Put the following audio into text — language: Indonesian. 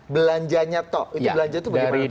belanjanya toh itu belanja itu bagaimana